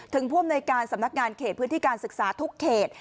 ผู้อำนวยการสำนักงานเขตพื้นที่การศึกษาทุกเขต